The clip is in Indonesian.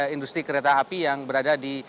industri kereta api yang berada di